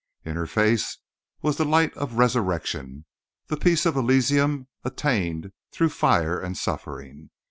In her face was the light of resurrection, the peace of elysium attained through fire and suffering.